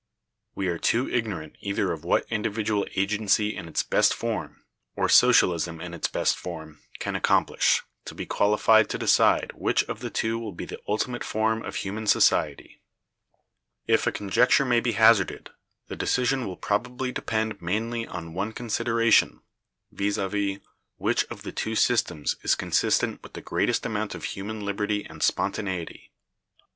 We are too ignorant either of what individual agency in its best form, or socialism in its best form, can accomplish, to be qualified to decide which of the two will be the ultimate form of human society. If a conjecture may be hazarded, the decision will probably depend mainly on one consideration, viz., which of the two systems is consistent with the greatest amount of human liberty and spontaneity.